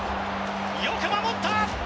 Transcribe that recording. よく守った！